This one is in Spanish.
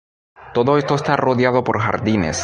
Todo esto está rodeado por jardines.